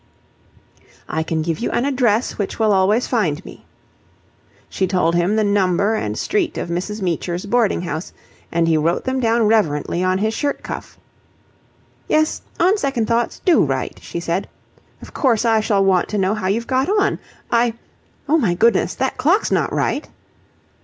"I can give you an address which will always find me." She told him the number and street of Mrs. Meecher's boarding house, and he wrote them down reverently on his shirt cuff. "Yes, on second thoughts, do write," she said. "Of course, I shall want to know how you've got on. I... oh, my goodness! That clock's not right?"